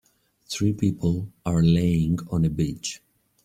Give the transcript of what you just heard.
Three people are laying on a beach.